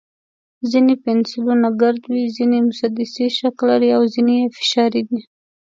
ځینې پنسلونه ګرد وي، ځینې مسدسي شکل لري، او ځینې یې فشاري دي.